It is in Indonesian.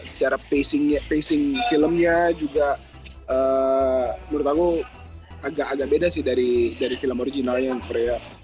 secara pacing filmnya juga menurut aku agak agak beda sih dari film originalnya korea